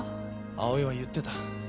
葵は言ってた。